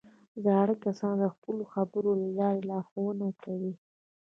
زاړه کسان د خپلو خبرو له لارې لارښوونه کوي